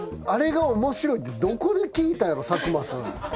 あれが面白いってどこで聞いたんやろ佐久間さん。